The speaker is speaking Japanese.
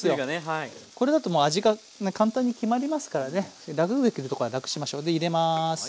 これだともう味が簡単に決まりますからね楽ができるとこは楽しましょ。で入れます。